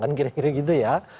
kan kira kira gitu ya